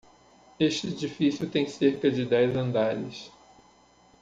Este edifício tem cerca de dez andares.